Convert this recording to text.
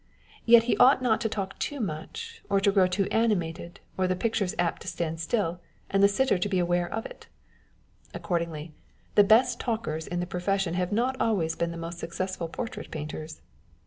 Yet he ought not to talk too much, or to grow too animated ; or the picture is apt to stand still, and the sitter to be aware of it. Accordingly, the best talkers in the profession have not always been the most successful portrait painters.